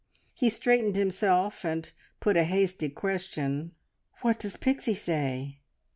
He straightened himself, and put a hasty question "What does Pixie say?"